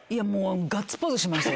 ガッツポーズしましたよ